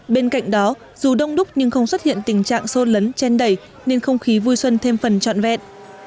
bên cạnh đó dù đông đúc nhưng không xuất hiện tình trạng xôn lấn chen đẩy nên không khí vui xuân thêm phần trọn vẹn